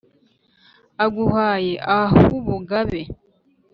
aguhaye ah’ubugabe